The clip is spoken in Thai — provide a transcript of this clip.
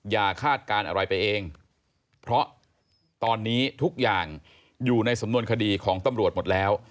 คาดการณ์อะไรไปเองเพราะตอนนี้ทุกอย่างอยู่ในสำนวนคดีของตำรวจหมดแล้ว